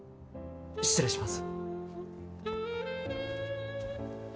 失礼します。